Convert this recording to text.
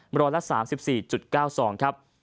มรละ๓๔๙๒ครับ